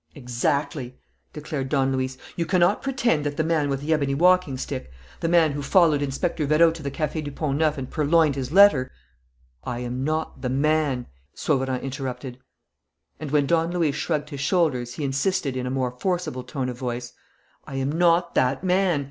"Exactly!" declared Don Luis. "You cannot pretend that the man with the ebony walking stick, the man who followed Inspector Vérot to the Café du Pont Neuf and purloined his letter " "I am not the man," Sauverand interrupted. And, when Don Luis shrugged his shoulders, he insisted, in a more forcible tone of voice: "I am not that man.